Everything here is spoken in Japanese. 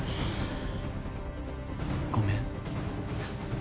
ごめん。